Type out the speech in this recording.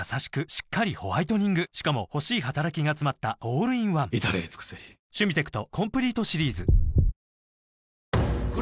しっかりホワイトニングしかも欲しい働きがつまったオールインワン至れり尽せり「ポリデント」